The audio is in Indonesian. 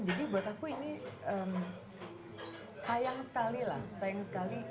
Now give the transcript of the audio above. jadi buat aku ini sayang sekali lah sayang sekali